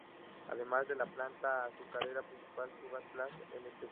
Además de la planta azucarera principal Sugar Plants Ltd.